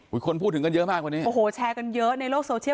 คนพูดถึงกันเยอะมากวันนี้โอ้โหแชร์กันเยอะในโลกโซเชียล